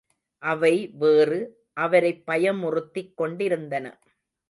அவை வேறு, அவரைப் பயமுறுத்திக் கொண்டிருந்தன.